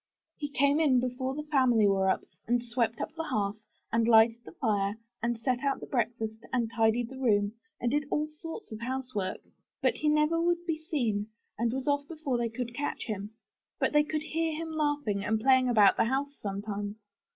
"He came in before the family were up, and swept up the hearth, and lighted the fire, and set out the breakfast and tidied the room, and did all sorts of house work. But he never would be seen and was off before they could catch him. But they could hear him laughing and playing about the house sometimes."